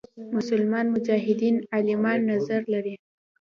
مسلمان مجتهدان عالمان نظر لري.